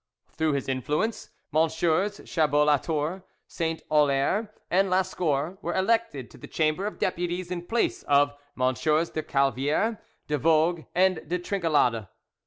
Through his influence, MM. Chabot Latour, Saint Aulaire, and Lascour were elected to the Chamber of Deputies in place of MM. De Calviere, De Vogue, and De Trinquelade.